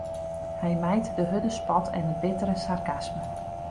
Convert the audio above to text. Hy mijt de hurde spot en it bittere sarkasme.